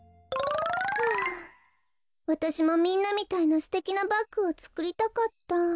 はあわたしもみんなみたいなすてきなバッグをつくりたかった。